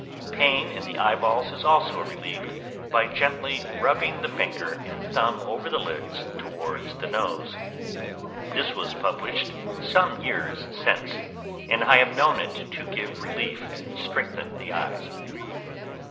Pain in the eyeballs is also relieved, by gently rubbing the finger and thumb over the lids towards the nose. This was published some years since, and I have known it give relief and strengthen the eyes.